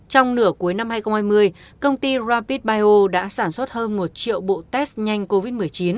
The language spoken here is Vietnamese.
trong nửa cuối năm hai nghìn hai mươi công ty rapid bio đã sản xuất hơn một triệu bộ test nhanh covid một mươi chín